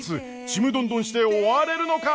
ちむどんどんして終われるのか！？